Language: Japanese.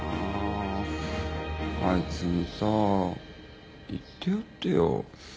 あいつにさ言ってやってよ。